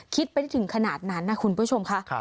คิดไปได้ถึงขนาดนั้นนะคุณผู้ชมค่ะ